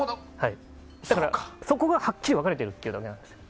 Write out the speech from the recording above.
そこがはっきり分かれてるっていうだけなんです。